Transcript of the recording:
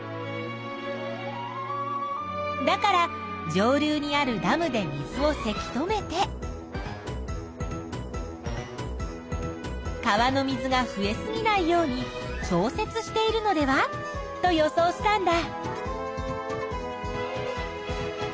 だから上流にあるダムで水をせき止めて川の水が増えすぎないように調節しているのではと予想したんだ。